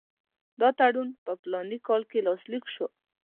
دا تړون په فلاني کال کې لاسلیک شو.